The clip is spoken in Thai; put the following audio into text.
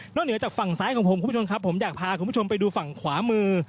เหนือจากฝั่งซ้ายของผมคุณผู้ชมครับผมอยากพาคุณผู้ชมไปดูฝั่งขวามือ